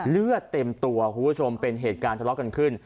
เลือดเต็มตัวคุณผู้ชมเป็นเหตุการณ์ทะเลาะกันขึ้น